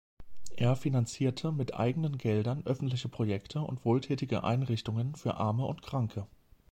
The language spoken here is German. Er finanzierte mit eigenen Geldern öffentliche Projekte und wohltätige Einrichtungen für Arme und Kranke.